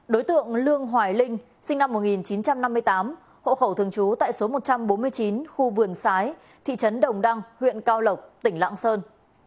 đối tượng lương hoài linh sinh năm một nghìn chín trăm năm mươi tám hộ khẩu thường trú tại số một trăm bốn mươi chín khu vườn sái thị trấn đồng đăng huyện cao lộc tỉnh lạng sơn